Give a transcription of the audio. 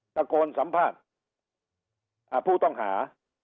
ตะโกนสัมภาษณ์ผู้ต้องหา